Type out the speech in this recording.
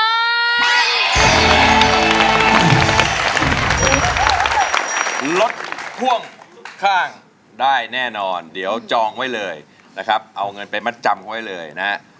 รถพ่วงข้างได้แน่นอนเดี๋ยวจองไว้เลยนะครับเอาเงินไปมัดจำไว้เลยนะฮะ